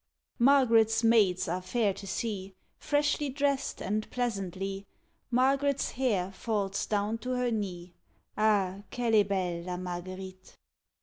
_ Margaret's maids are fair to see, Freshly dress'd and pleasantly; Margaret's hair falls down to her knee; _Ah! qu'elle est belle La Marguerite.